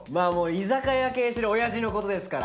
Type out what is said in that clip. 居酒屋経営している親父のことですから。